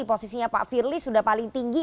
posisinya pak firly sudah paling tinggi